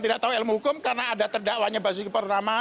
tidak tahu ilmu hukum karena ada terdakwanya basuki purnama